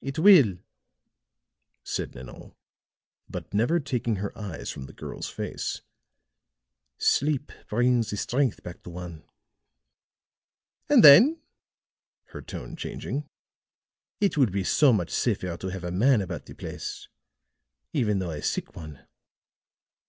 "It will," said Nanon, but never taking her eyes from the girl's face; "sleep brings the strength back to one. And then," her tone changing, "it will be so much safer to have a man about the place even though a sick one.